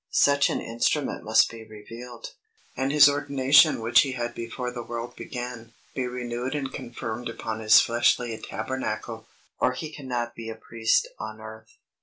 Such an instrument must be revealed, and his ordination which he had before the world began, be renewed and confirmed upon his fleshly tabernacle, or he cannot be a Priest on earth.